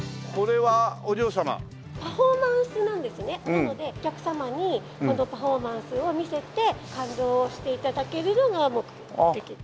なのでお客様にこのパフォーマンスを見せて感動して頂けるのが目的です。